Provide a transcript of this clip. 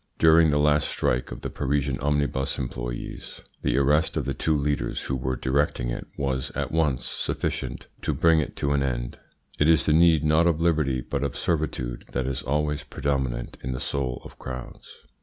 During the last strike of the Parisian omnibus employes the arrest of the two leaders who were directing it was at once sufficient to bring it to an end. It is the need not of liberty but of servitude that is always predominant in the soul of crowds.